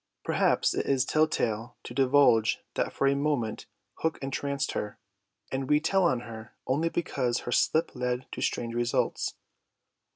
Perhaps it is tell tale to divulge that for a moment Hook entranced her, and we tell on her only because her slip led to strange results.